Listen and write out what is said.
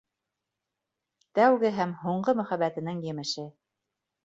Тәүге һәм һуңғы мөхәббәтенең емеше.